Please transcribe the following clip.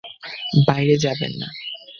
বাইরে যাবেন না!